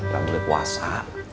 dan boleh puasa